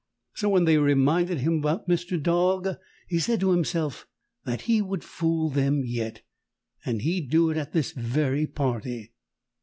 So when they reminded him about Mr. Dog he said to himself that he would fool them yet, and he'd do it at this very party.